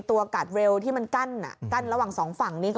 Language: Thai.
ตัวกัดเวลที่มันกั้นกั้นระหว่างสองฝั่งนี่